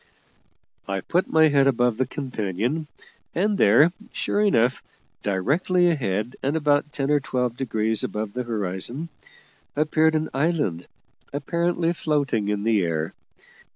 I put my head above the companion, and there, sure enough, directly ahead, and about ten or twelve degrees above the horizon, appeared an island apparently floating in the air.